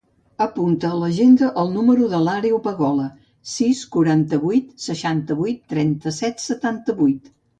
Apunta a l'agenda el número de l'Àreu Pagola: sis, quaranta-vuit, seixanta-vuit, trenta-set, setanta-vuit.